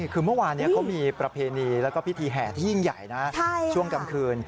คือเมื่อวานนี้เขามีประเพณีแล้วก็พิธีแห่ที่ยิ่งใหญ่นะช่วงกลางคืน